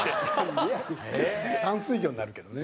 淡水魚になるけどね。